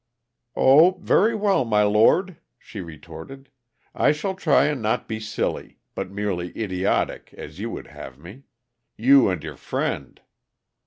"Oh, very well, my lord," she retorted, "I shall try and not be silly, but merely idiotic, as you would have me. You and your friend!"